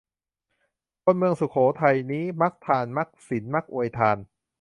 คนเมืองสุโขทัยนี้ มักทาน มักศีล มักอวยทาน